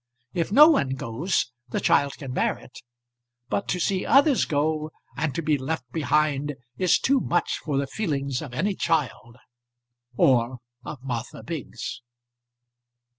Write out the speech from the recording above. If no one goes the child can bear it. But to see others go, and to be left behind, is too much for the feelings of any child, or of Martha Biggs.